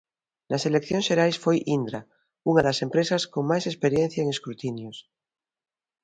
Nas eleccións xerais foi Indra, unha das empresas con máis experiencia en escrutinios.